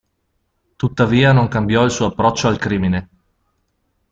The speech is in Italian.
Tuttavia, non cambiò il suo approccio al crimine.